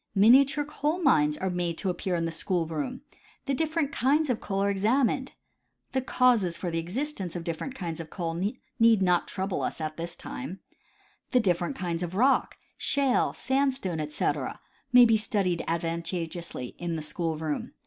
Miniature coal mines are made to appear in the school room ; the different kinds of coal are examined (the ' causes for the existence of different kinds of coal need not trouble us at this time) ; the different kinds of rock— shale, sandstone, 'etc, may be studied advantageously in the school room.